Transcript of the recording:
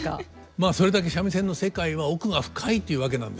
まあそれだけ三味線の世界は奥が深いというわけなんですよ。